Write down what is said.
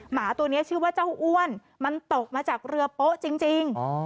หมาตัวนี้ชื่อว่าเจ้าอ้วนมันตกมาจากเรือโป๊ะจริง